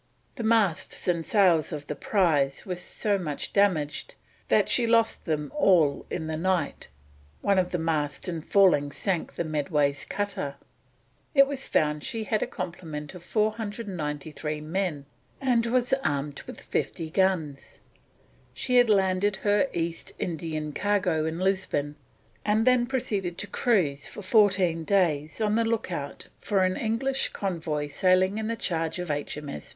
The masts and sails of the prize were so much damaged that she lost them all in the night; one of the masts in falling sank the Medway's cutter. It was found she had a complement of 493 men, and was armed with 50 guns. She had landed her East Indian cargo at Lisbon, and then proceeded to cruise for fourteen days on the look out for an English convoy sailing in charge of H.M.S.